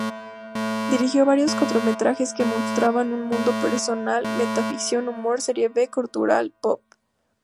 Dirigió varios cortometrajes que mostraban un mundo personal: metaficción, humor, serie b, cultura pop.